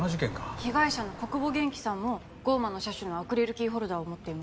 被害者の小久保元気さんも『降魔の射手』のアクリルキーホルダーを持っていました。